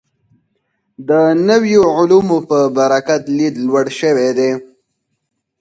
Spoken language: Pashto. د نویو علومو په برکت لید لوړ شوی دی.